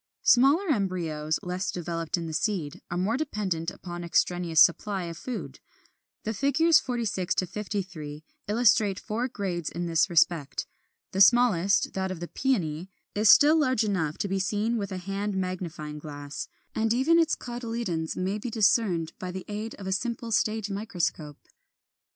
] 34. Smaller embryos, less developed in the seed, are more dependent upon the extraneous supply of food. The figures 46 53 illustrate four grades in this respect. The smallest, that of the Peony, is still large enough to be seen with a hand magnifying glass, and even its cotyledons may be discerned by the aid of a simple stage microscope.